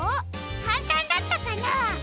かんたんだったかな？